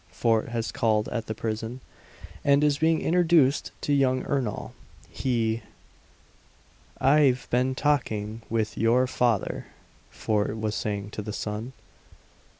Fort has called at the prison, and is being introduced to young Ernol. He " "I've been talking with your father," Fort was saying to the son.